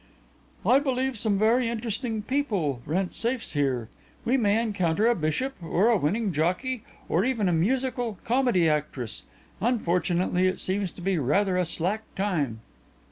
"I believe some very interesting people rent safes here. We may encounter a bishop, or a winning jockey, or even a musical comedy actress. Unfortunately it seems to be rather a slack time."